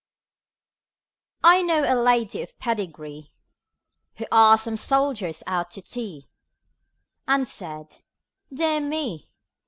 I know a Lady of Pedigree, Who asked some soldiers out to tea, And said "Dear me!"